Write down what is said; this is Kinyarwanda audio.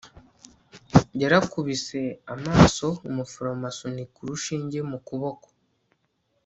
yarakubise amaso umuforomo asunika urushinge mu kuboko